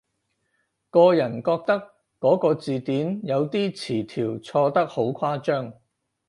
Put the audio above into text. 個人覺得嗰個字典有啲詞條錯得好誇張